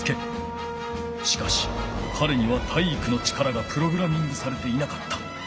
しかしかれには体育の力がプログラミングされていなかった。